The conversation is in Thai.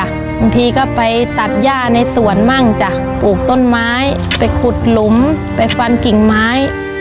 บางทีก็ไปตัดย่าในสวนมั่งจ้ะปลูกต้นไม้ไปขุดหลุมไปฟันกิ่งไม้